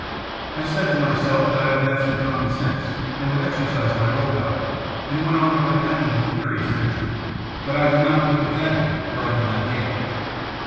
"I said to myself that I would have some common sense, and would exercise my will power; and went on with my packing with furious energy. But I did not put the cabinet where I could not get at it.